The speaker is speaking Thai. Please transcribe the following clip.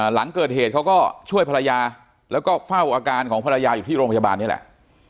หลังเกิดเหตุเขาก็ช่วยภรรยาแล้วก็เฝ้าอาการของภรรยาอยู่ที่โรงพยาบาลนี่แหละ